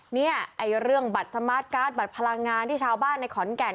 เนี่ยไอ้เรื่องบัตรสมาร์ทการ์ดบัตรพลังงานที่ชาวบ้านในขอนแก่น